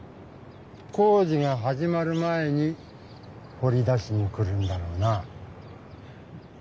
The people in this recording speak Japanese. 工事が始まる前にほり出しに来るんだろうな。